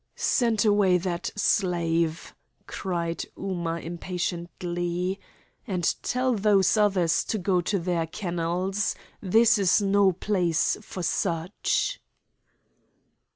"Send away that slave," cried Ooma impatiently, "and tell those others to go to their kennels. This is no place for such."